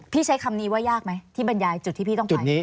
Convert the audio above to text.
ใช้คำนี้ว่ายากไหมที่บรรยายจุดที่พี่ต้องไป